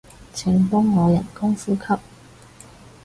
請幫我人工呼吸